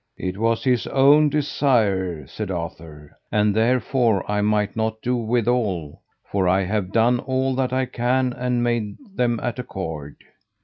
It was his own desire, said Arthur, and therefore I might not do withal, for I have done all that I can and made them at accord.